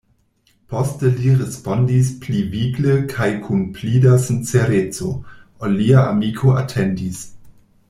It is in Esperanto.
Poste li respondis pli vigle kaj kun pli da sincereco, ol lia amiko atendis: